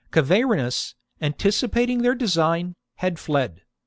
Cavarinus, anticipating their design, had fled.